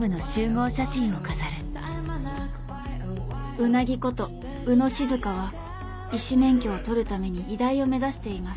「うなぎ」こと宇野静香は医師免許を取るために医大を目指しています